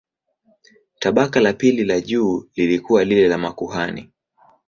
Tabaka la pili la juu lilikuwa lile la makuhani.